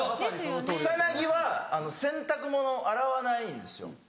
草薙は洗濯物洗わないんですよ。